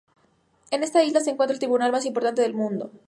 En esta isla se encuentra el tribunal más importante del mundo.